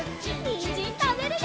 にんじんたべるよ！